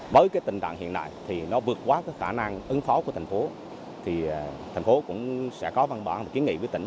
với tình trạng hiện nay nó vượt qua khả năng ứng phó của thành phố thành phố cũng sẽ có văn bản ký nghị với tỉnh